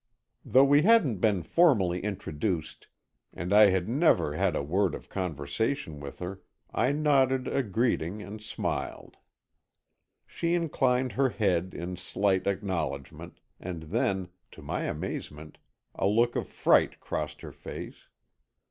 Though we hadn't been formally introduced, and I had never had a word of conversation with her, I nodded a greeting and smiled. She inclined her head in slight acknowledgment, and then, to my amazement, a look of fright crossed her face.